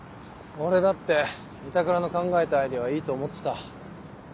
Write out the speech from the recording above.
俺だって板倉の考えたアイデアはいいと思ってた。